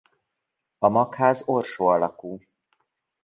A magház orsó alakú.